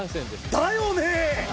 だよね！